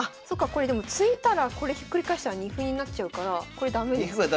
これでも突いたらこれひっくり返したら二歩になっちゃうからこれ駄目ですね。